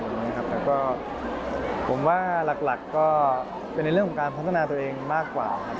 แต่ก็ผมว่าหลักก็เป็นในเรื่องของการพัฒนาตัวเองมากกว่าครับ